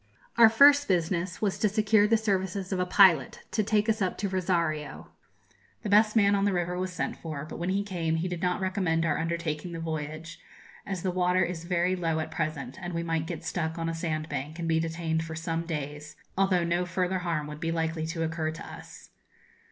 Our first business was to secure the services of a pilot, to take us up to Rosario. The best man on the river was sent for; but when he came he did not recommend our undertaking the voyage, as the water is very low at present, and we might get stuck on a sandbank, and be detained for some days, although no further harm would be likely to occur to us.